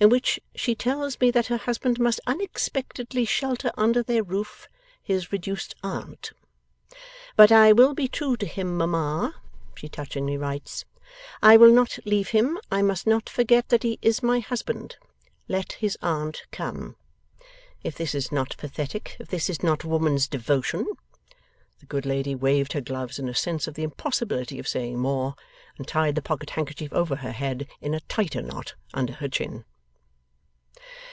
in which she tells me that her husband must unexpectedly shelter under their roof his reduced aunt. "But I will be true to him, mamma," she touchingly writes, "I will not leave him, I must not forget that he is my husband. Let his aunt come!" If this is not pathetic, if this is not woman's devotion !' The good lady waved her gloves in a sense of the impossibility of saying more, and tied the pocket handkerchief over her head in a tighter knot under her chin.